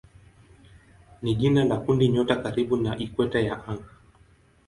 ni jina la kundinyota karibu na ikweta ya anga.